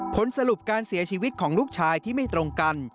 ผลสรุปการเสียชีวิตของลูกชายที่ไม่ตรงกัน